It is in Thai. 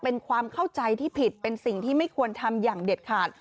เป็นความเข้าใจที่ผิดเป็นสิ่งที่ไม่ควรทำอย่างเด็ดขาด